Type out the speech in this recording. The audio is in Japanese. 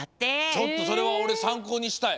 ちょっとそれはおれさんこうにしたい！